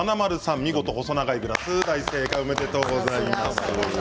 見事細長いグラス、大正解おめでとうございます。